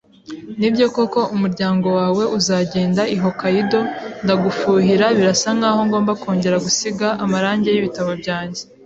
Nibyo koko umuryango wawe uzagenda i Hokkaido? Ndagufuhira. Birasa nkaho ngomba kongera gusiga amarangi y'ibitabo byanjye.